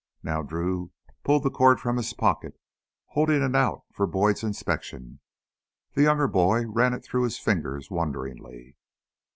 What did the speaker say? Now Drew pulled the cord from his pocket, holding it out for Boyd's inspection. The younger boy ran it through his fingers wonderingly.